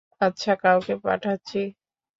আচ্ছা, কাউকে পাঠাচ্ছি।